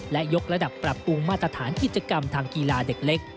และยกระดับปรับปรุงมาตรฐานกิจกรรมทางกีฬาเด็กเล็ก